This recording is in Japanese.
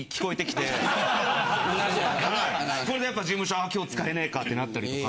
それでやっぱ事務所は今日使えねえかってなったりとか。